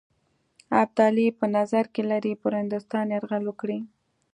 ابدالي په نظر کې لري پر هندوستان یرغل وکړي.